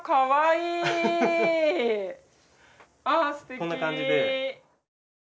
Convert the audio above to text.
こんな感じで。